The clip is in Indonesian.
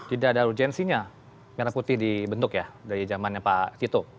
tidak ada urgensinya merah putih dibentuk ya dari zamannya pak tito